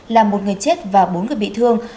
là một người chết và bốn người bị thương